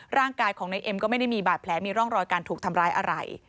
ร่างกายของนายเอ็มก็ไม่ได้มีบาดแผลมีร่องรอยการถูกทำร้ายอะไร